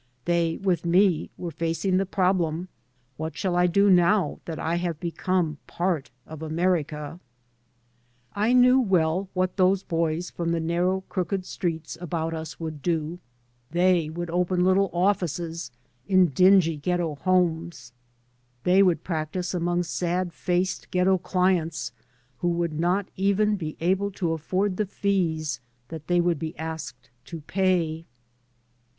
They with me were facing the problem :" What shall I do now that I have become part of America ?" I knew well what those 3 by Google MY MOTHER AND I boys from the narrow, crooked streets about us would do. They would open little offices in dingy ghetto homes; they would practice among sad faced ghetto clients who would not even be able to afiord the fees that they would be asked to pay.